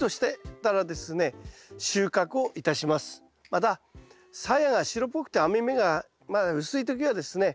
またさやが白っぽくて網目がまだ薄い時はですね